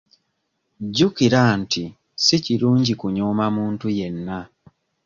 Jjukira nti si kirungi kunyooma muntu yenna.